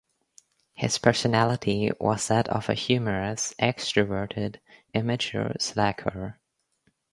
His personality was that of a humorous, extroverted, immature slacker.